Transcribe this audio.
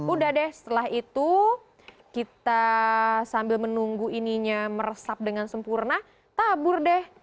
udah deh setelah itu kita sambil menunggu ininya meresap dengan sempurna tabur deh